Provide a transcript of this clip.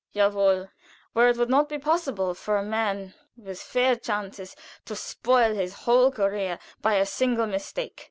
"Ja wohl! Where it would not be possible for a man with fair chances to spoil his whole career by a single mistake.